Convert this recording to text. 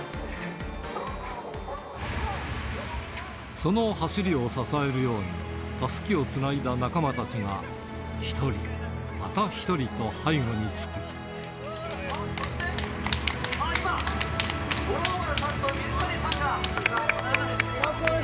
その走りを支えるように、たすきをつないだ仲間たちが一人、今、五郎丸さんと水谷さんが。